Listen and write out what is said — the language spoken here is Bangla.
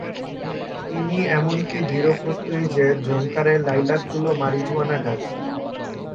তিনি এমনকি দৃঢ়প্রত্যয়ী যে, জোনকারের লাইলাকগুলো মারিজুয়ানা গাছ।